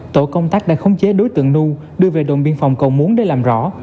tổ công tác đã khống chế đối tượng nu đưa về đồn biên phòng cầu muốn để làm rõ